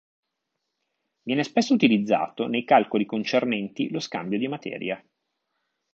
Viene spesso utilizzato nei calcoli concernenti lo scambio di materia.